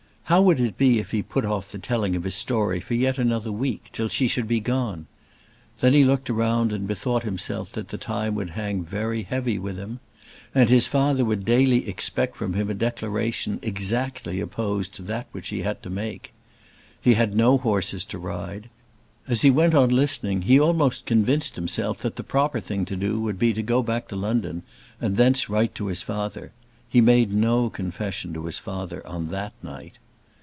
How would it be if he put off the telling of his story for yet another week, till she should be gone? Then he looked around and bethought himself that the time would hang very heavy with him. And his father would daily expect from him a declaration exactly opposed to that which he had to make. He had no horses to ride. As he went on listening he almost convinced himself that the proper thing to do would be to go back to London and thence write to his father. He made no confession to his father on that night.